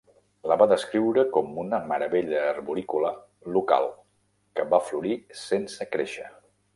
La va descriure com una "meravella arborícola" local que "va florir sense créixer".